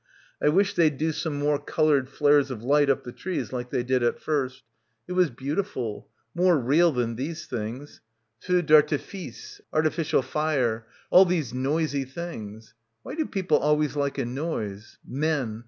"I wish they'd do some more coloured flares of light up the trees like they did at first. It was beautiful — more real than these things. — 258 — BACKWATER Teu d' artifice' artificial fire — all these noisy things. Why do people alw'ays like a noise? Men.